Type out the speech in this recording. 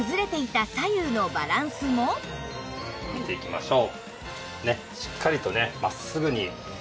大きく見ていきましょう。